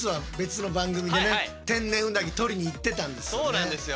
そうなんですよ。